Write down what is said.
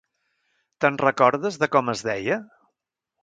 Te'n recordes, de com es deia?